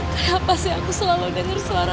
kenapa sih aku selalu dengar suara